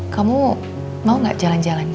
kamu mau gak jalan jalan